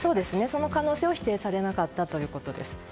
その可能性は否定されなかったということです。